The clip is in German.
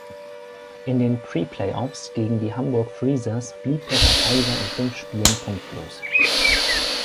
In den Pre-Playoffs gegen die Hamburg Freezers blieb der Verteidiger in fünf Spielen punktlos.